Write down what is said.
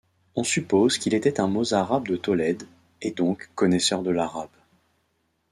On suppose qu'il était un mozarabe de Tolède, et donc connaisseur de l'arabe.